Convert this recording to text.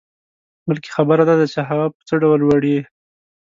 بلکې خبره داده چې هغه په څه ډول وړې.